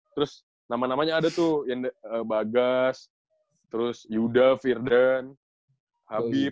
terus nama namanya ada tuh bagas terus yuda firden habib